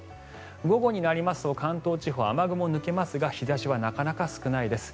午後になりますと関東地方雨雲抜けますが日差しはなかなか少ないです。